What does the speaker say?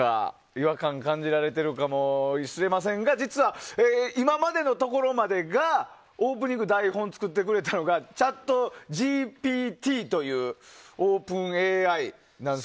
違和感を感じられてるかもしれませんが実は、今までのところまでオープニング台本を作ってくれたのがＣｈａｔＧＰＴというオープンＡＩなんです。